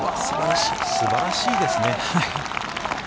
すばらしいですね。